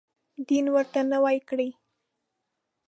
دین ورته نوی کړي.